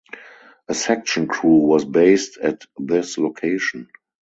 A section crew was based at this location.